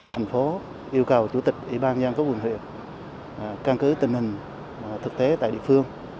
thành phố yêu cầu chủ tịch ủy ban giang các quận huyện căn cứ tình hình thực tế tại địa phương